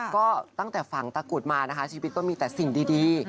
ก็ตั้งแต่ฝังตะกุดมานะคะชีวิตก็มีแต่สิ่งดี